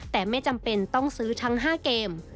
แต่ไม่จำเป็นต้องซื้อทั้ง๕เกม